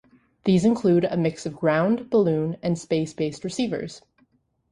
These include a mix of ground-, balloon- and space-based receivers.